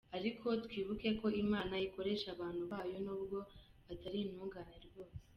Ariko twibuke ko Imana ikoresha abantu bayo, nubwo atari intungane rwose.